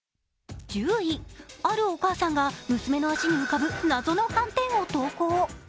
１０位、あるお母さんが娘の足に浮かぶ謎の斑点を投降。